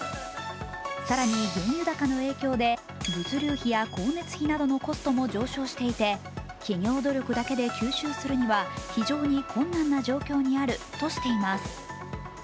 更に原油高の影響で物流費や光熱費などのコストも上昇していて企業努力だけで吸収するには非常に困難な状況にあるとしています。